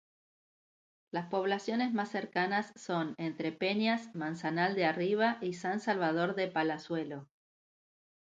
Las poblaciones más cercanas son Entrepeñas, Manzanal de Arriba y San Salvador de Palazuelo.